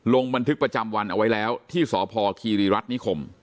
ลงบันทึกประจำวันเอาไว้แล้วที่สพคีรีรัฐนิคม